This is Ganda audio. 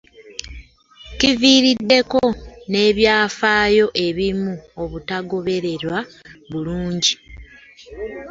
Kiviiriddeko n'ebyafaayo ebimu obutagobererwa bulungi